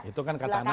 itu kan katanana